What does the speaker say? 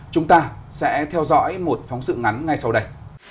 chúng ta sẽ theo dõi một phóng sự ngắn ngay sau đây